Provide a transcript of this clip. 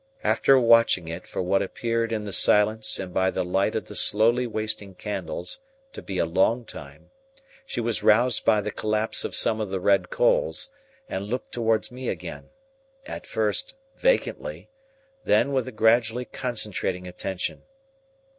After watching it for what appeared in the silence and by the light of the slowly wasting candles to be a long time, she was roused by the collapse of some of the red coals, and looked towards me again—at first, vacantly—then, with a gradually concentrating attention.